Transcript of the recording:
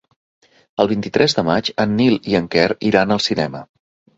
El vint-i-tres de maig en Nil i en Quer iran al cinema.